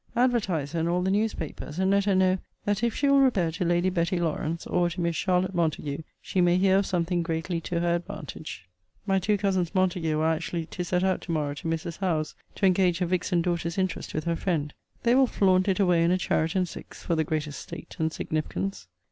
Advertise her in all the news papers; and let her know, 'That if she will repair to Lady Betty Lawrance, or to Miss Charlotte Montague, she may hear of something greatly to her advantage.' My two cousins Montague are actually to set out to morrow to Mrs. Howe's, to engage her vixen daughter's interest with her friend. They will flaunt it away in a chariot and six, for the greater state and significance.